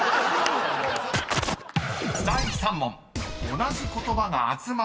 ［第３問］